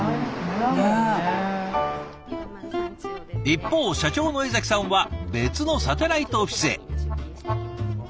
一方社長の江さんは別のサテライトオフィスへ。